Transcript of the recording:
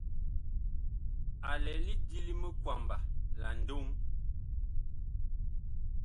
A lɛ lidi li mikwamba la ndoŋ.